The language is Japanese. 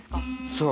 そう。